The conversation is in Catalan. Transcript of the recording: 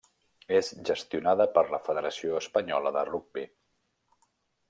És gestionada per la Federació Espanyola de Rugbi.